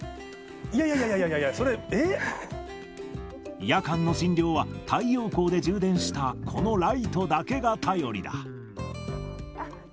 いやいやいやいや、それ、夜間の診療は、太陽光で充電したこのライトだけが頼りだ。